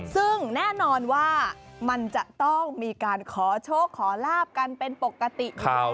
ซึ่งแน่นอนว่ามันจะต้องมีการขอโชคขอลาบกันเป็นปกติเขา